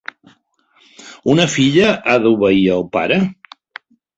Una filla ha d'obeir el pare?